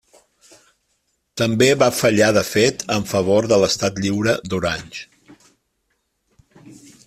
També va fallar de fet en favor de l'Estat Lliure d'Orange.